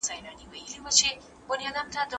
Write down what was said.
ایا د مڼو په خوړلو سره د غاښونو درد نه پیدا کېږي؟